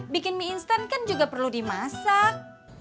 bikin mie instan kan juga perlu dimasak